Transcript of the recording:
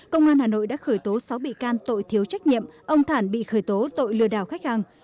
công an hà nội đã khởi tố sáu bị can tội thiếu trách nhiệm ông thản bị khởi tố tội lừa đảo khách hàng